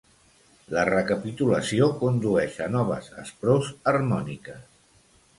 La recapitulació condueix a noves asprors harmòniques.